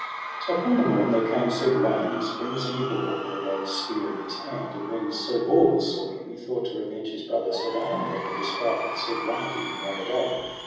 So upon the morn there came Sir Gawaine as brim as any boar, with a great spear in his hand. And when Sir Bors saw him he thought to revenge his brother Sir Lionel of the despite that Sir Gawaine did him the other day.